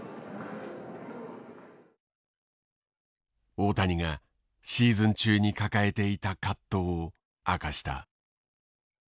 大谷がシーズン中に抱えていた葛藤を明かした。